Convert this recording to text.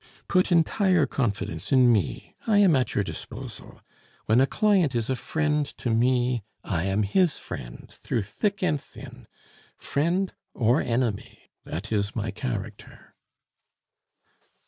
Put entire confidence in me, I am at your disposal. When a client is a friend to me, I am his friend through thick and thin. Friend or enemy, that is my character."